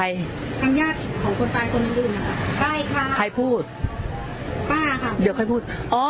ใครทางญาติของคนปลายคนอื่นอื่นนะครับใช่ค่ะใครพูดป้าค่ะเดี๋ยวค่อยพูด